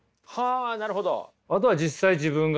あなるほど。